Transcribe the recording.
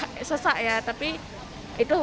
terkait pencegahan covid sembilan belas tidak dipatuhi